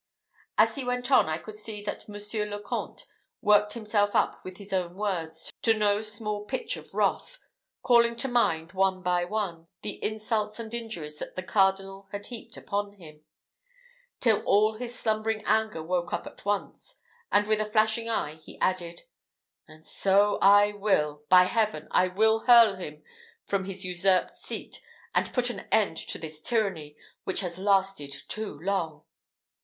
As he went on, I could see that Monsieur le Comte worked himself up with his own words to no small pitch of wrath; calling to mind, one by one, the insults and injuries that the cardinal had heaped upon him, till all his slumbering anger woke up at once, and with a flashing eye, he added, "And so I will. By Heaven! I will hurl him from his usurped seat, and put an end to this tyranny, which has lasted too long."